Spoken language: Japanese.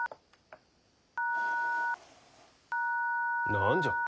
何じゃ？